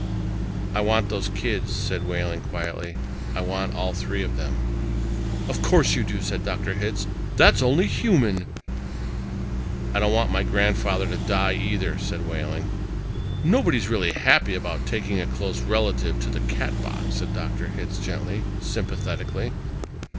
"I want those kids," said Wehling quietly. "I want all three of them." "Of course you do," said Dr. Hitz. "That's only human." "I don't want my grandfather to die, either," said Wehling. "Nobody's really happy about taking a close relative to the Catbox," said Dr. Hitz gently, sympathetically.